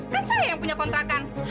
saya yang punya kontrakan